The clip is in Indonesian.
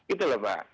itu lho mbak